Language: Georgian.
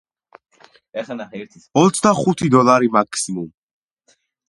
გვეტაძის გარდაცვალების შემდეგ წიგნები უგზო-უკვლოდ დაიკარგა.